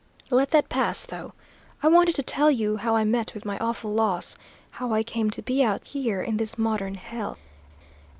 "Let that pass, though. I wanted to tell you how I met with my awful loss; how I came to be out here in this modern hell!